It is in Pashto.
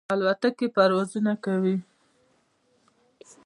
الوتکې پروازونه کوي.